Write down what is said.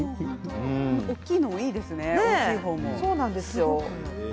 大きいのも、いいですね。